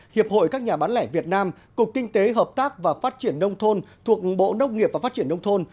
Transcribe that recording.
hiệp hội các nhà bán lẻ việt nam cục kinh tế hợp tác và phát triển nông thôn thuộc bộ nông nghiệp và phát triển nông thôn